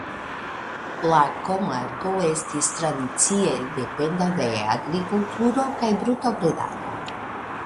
La komarko estis tradicie dependa de agrikulturo kaj brutobredado.